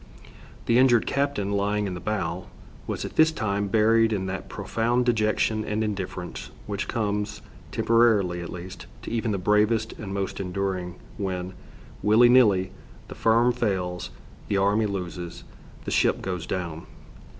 The injured captain, lying in the bow, was at this time buried in that profound dejection and indifference which comes, temporarily at least, to even the bravest and most enduring when, willy nilly, the firm fails, the army loses, the ship goes down.